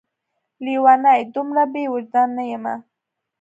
لېونۍ! دومره بې وجدان نه یمه